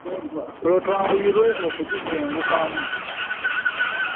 Olwo twanguyirwe okugisengukamu.